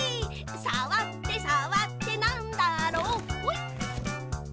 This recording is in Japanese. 「さわってさわってなんだろう」ほい！